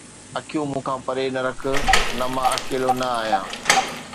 اکيون مون کان پري نه رک ته مان اڪيلو نه آهيان